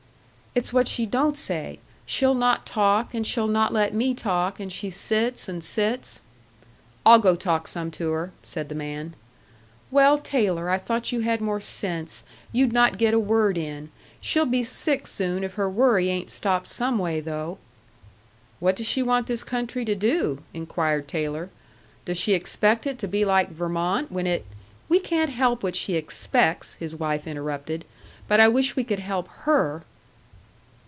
"It's what she don't say. She'll not talk, and she'll not let me talk, and she sits and sits." "I'll go talk some to her," said the man. "Well, Taylor, I thought you had more sense. You'd not get a word in. She'll be sick soon if her worry ain't stopped someway, though." "What does she want this country to do?" inquired Taylor. "Does she expect it to be like Vermont when it " "We can't help what she expects," his wife interrupted. "But I wish we could help HER."